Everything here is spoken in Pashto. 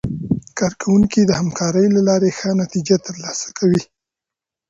کارکوونکي د همکارۍ له لارې ښه نتیجه ترلاسه کوي